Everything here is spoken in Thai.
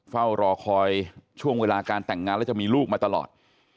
เฝ้ารอคอยช่วงเวลาการแต่งงานแล้วจะมีลูกมาตลอด